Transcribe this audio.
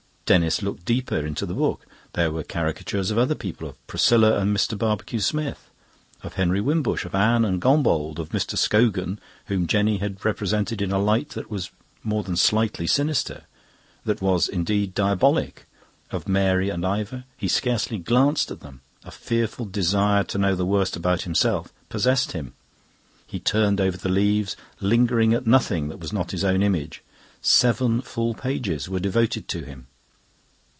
Denis looked deeper into the book. There were caricatures of other people: of Priscilla and Mr. Barbecue Smith; of Henry Wimbush, of Anne and Gombauld; of Mr. Scogan, whom Jenny had represented in a light that was more than slightly sinister, that was, indeed, diabolic; of Mary and Ivor. He scarcely glanced at them. A fearful desire to know the worst about himself possessed him. He turned over the leaves, lingering at nothing that was not his own image. Seven full pages were devoted to him.